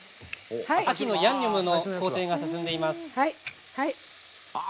「秋のヤンニョム」の工程が進んでいます。